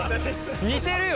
似てるよ。